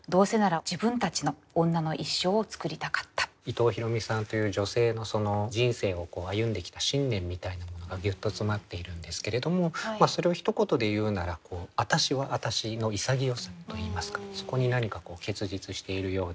伊藤比呂美さんという女性の人生を歩んできた信念みたいなものがギュッと詰まっているんですけれどもそれをひと言で言うならそこに何か結実しているようで。